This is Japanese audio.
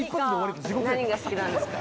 何が好きなんですか？